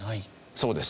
そうです。